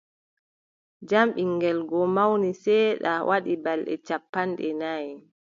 Jam ɓiŋngel goo mawni seeɗa, waɗi balɗe cappanɗe nayi.